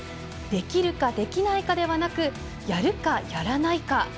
「できるかできないかではなくやるかやらないか！！」。